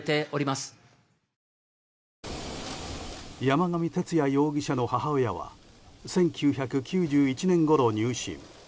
山上徹也容疑者の母親は１９９１年ごろ入信。